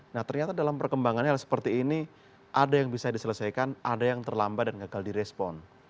nah ternyata dalam perkembangannya seperti ini ada yang bisa diselesaikan ada yang terlambat dan gagal direspon